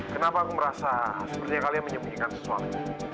kenapa aku merasa sepertinya kalian menyembunyikan sesuatu